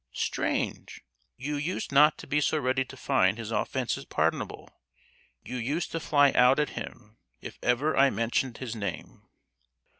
"Strange! You used not to be so ready to find his offences pardonable; you used to fly out at him if ever I mentioned his name!"